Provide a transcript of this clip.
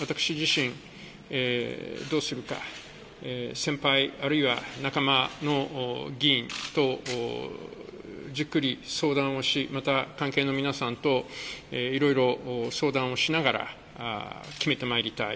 私自身、どうするか先輩あるいは仲間の議員とじっくり相談をし、また関係の皆さんといろいろ相談をしながら決めてまいりたい。